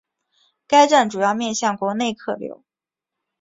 该站主要面向国内客流。